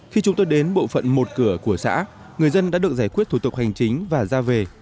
khi chúng tôi đến bộ phận một cửa của xã người dân đã được giải quyết thủ tục hành chính và ra về